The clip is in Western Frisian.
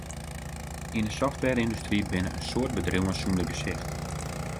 Yn 'e softwareyndustry binne in soad bedriuwen sonder gesicht.